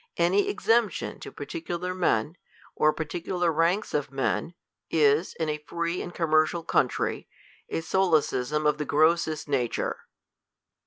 Any exemption to particular men, or particular ranks of men, is, in a free and commercial country, a solecism of the grossest nature.